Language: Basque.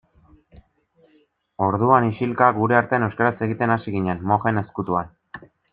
Orduan, isilka, gure artean euskaraz egiten hasi ginen, mojen ezkutuan.